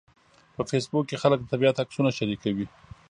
په فېسبوک کې خلک د طبیعت عکسونه شریکوي